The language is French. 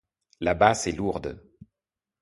La basse est lourde.